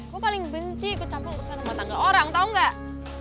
gue paling benci ikut campur urusan rumah tangga orang tau gak